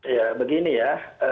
ya begini ya